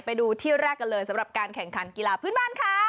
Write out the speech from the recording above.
ไปดูที่แรกกันเลยสำหรับการแข่งขันกีฬาพื้นบ้านค่ะ